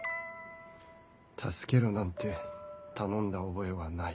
助けろなんて頼んだ覚えはない。